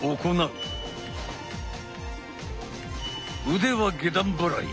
腕は下段払い